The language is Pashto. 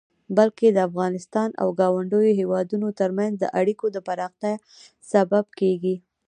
بلکې د افغانستان او ګاونډيو هيوادونو ترمنځ د اړيکو د پراختيا سبب کيږي.